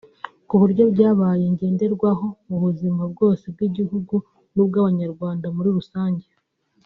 ku buryo byabaye ngenderwaho mu buzima bwose bw’igihugu n’ubw’Abanyarwanda muri rusange